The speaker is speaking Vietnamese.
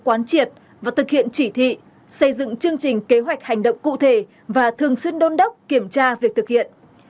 quán triệt và thực hiện chỉ thị xây dựng chương trình kế hoạch hành động cụ thể và thường xuyên đôn đốc kiểm tra việc thực hiện